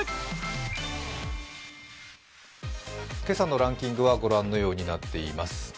今朝のランキングはご覧のようになっています。